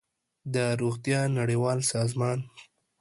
د روغتیا نړیوال سازمان